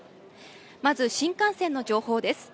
まず新幹線の情報です。